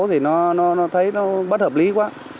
thì nó thấy nó bất hợp lý quá